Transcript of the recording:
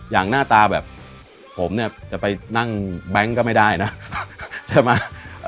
หน้าตาแบบผมเนี่ยจะไปนั่งแบงค์ก็ไม่ได้นะใช่ไหม